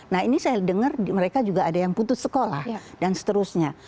nah ini saya dengar mereka juga ada yang putus sekolah dan seterusnya